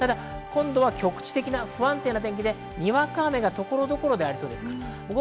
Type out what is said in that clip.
局地的な不安定な天気で、にわか雨がところどころでありそうです。